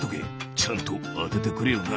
ちゃんとあててくれよな！」。